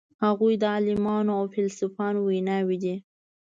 هغوی د عالمانو او فیلسوفانو ویناوی دي.